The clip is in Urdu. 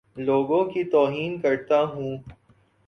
لوگوں کی توہین کرتا ہوں